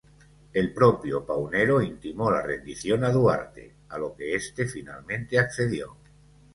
El propio Paunero intimó la rendición a Duarte, a lo que este finalmente accedió.